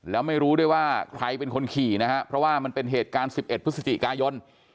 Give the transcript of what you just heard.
แล้วไม่รู้ด้วยว่าใครเป็นคนขี่นะฮะเพราะว่ามันเป็นเหตุการณ์๑๑พฤศจิกายน